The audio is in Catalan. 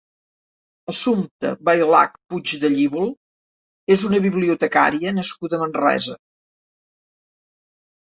Assumpta Bailac Puigdellívol és una bibliotecària nascuda a Manresa.